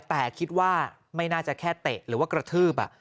แต่คิดว่าไม่น่าจะแค่เตะหรือว่ากระทืบ